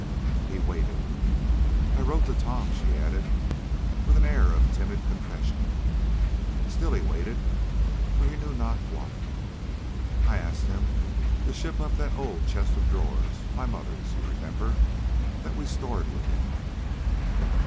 He waited. "I wrote to Tom," she added, with an air of timid confession. Still he waited for he knew not what. "I asked him to ship up the old chest of drawers my mother's, you remember that we stored with him."